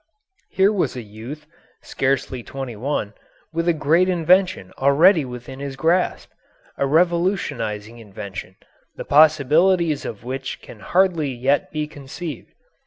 Here was a youth (scarcely twenty one), with a great invention already within his grasp a revolutionising invention, the possibilities of which can hardly yet be conceived.